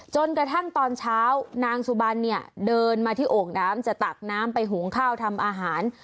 จนกระทั่งตอนเช้านางสุบันเนี่ยเดินมาที่โอ่งน้ำจะตักน้ำไปหุงข้าวทำอาหาร